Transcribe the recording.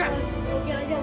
saya takut bos saya takut